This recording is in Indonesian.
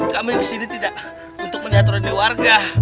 kami kesini tidak untuk menjahat orang di warga